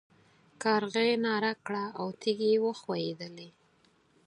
کارغې ناره کړه او تيږې وښوېدلې.